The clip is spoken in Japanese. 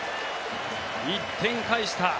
１点返した。